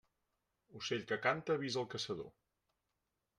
Ocell que canta avisa el caçador.